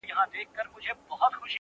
اوس په پوهېږمه زه ـ اوس انسان شناس يمه ـ